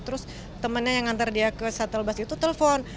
terus temennya yang ngantar dia ke shuttle bus itu telepon